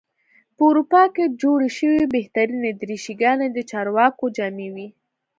په اروپا کې جوړې شوې بهترینې دریشي ګانې د چارواکو جامې وې.